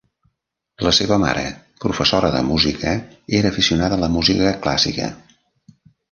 La seva mare, professora de música, era aficionada a la música clàssica.